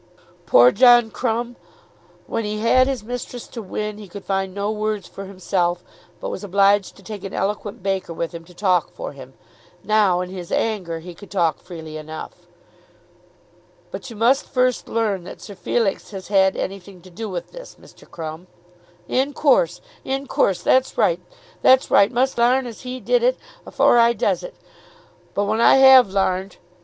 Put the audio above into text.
Poor John Crumb! When he had his mistress to win he could find no words for himself; but was obliged to take an eloquent baker with him to talk for him. Now in his anger he could talk freely enough. "But you must first learn that Sir Felix has had anything to do with this, Mr. Crumb." "In coorse; in coorse. That's right. That's right. Must l'arn as he did it, afore I does it. But when I have l'arned!"